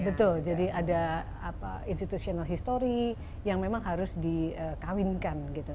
betul jadi ada institutional history yang memang harus dikawinkan gitu